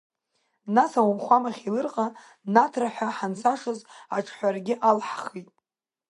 Нас ауахәамахь Елырҟа наҭра ҳәа ҳанцашаз аҿҳәарагьы алҳхит.